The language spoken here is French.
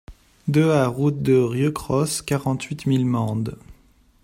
deux A route de Rieucros, quarante-huit mille Mende